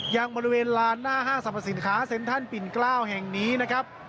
ยังบริเวณลานหน้าห้างสรรพสินค้าเซ็นทรัลปิ่นเกล้าแห่งนี้นะครับ